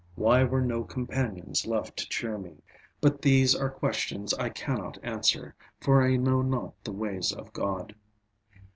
Why were no companions left to cheer me? But these are questions I can not answer, for I know not the ways of God.